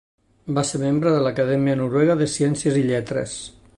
Va ser membre de l'Acadèmia Noruega de Ciències i Lletres.